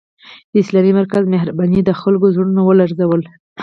د اسلامي مرکز مهربانۍ د خلکو زړونه ولړزول